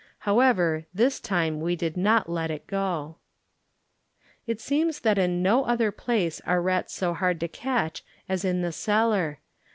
However, this time we did not let it go. It seems that in no other place are rats so hard to catch as in the cellar.